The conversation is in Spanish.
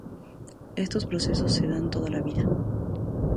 Estos procesos se dan toda la vida.